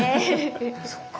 そっか。